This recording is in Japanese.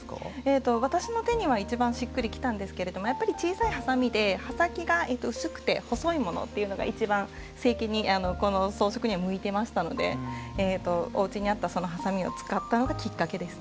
私の手には一番しっくりきたんですけれどもやっぱり小さいハサミで刃先が薄くて細いものっていうのが一番成形にこの装飾には向いてましたのでおうちにあったそのハサミを使ったのがきっかけですね。